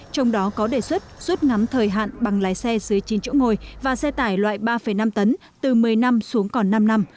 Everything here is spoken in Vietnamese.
trong đó có đề xuất rút ngắn thời hạn bằng lái xe dưới chín chỗ ngồi và xe tải loại ba năm tấn từ một mươi năm xuống còn năm năm